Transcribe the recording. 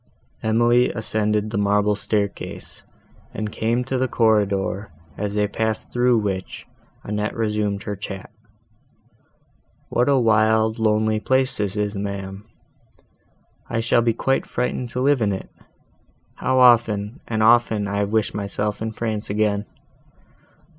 Emily ascended the marble staircase, and came to the corridor, as they passed through which, Annette resumed her chat—"What a wild lonely place this is, ma'am! I shall be quite frightened to live in it. How often, and often have I wished myself in France again!